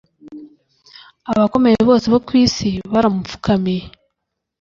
abakomeye bose bo ku isi baramupfukamiye